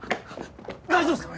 大丈夫っすか？